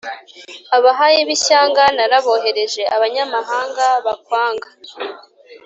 abahayi b’ishyanga narabohereje: abanyamahanga bakwanga